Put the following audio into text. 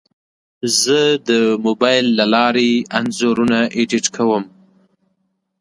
زه د موبایل له لارې انځورونه ایډیټ کوم.